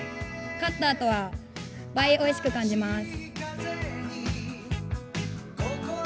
勝ったあとは倍おいしく感じます。